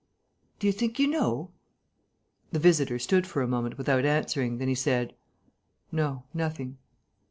"Do you think you know?" The visitor stood for a moment without answering. Then he said: "No, nothing."